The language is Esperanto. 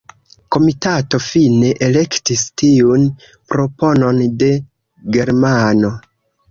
Komitato fine elektis tiun proponon de germano.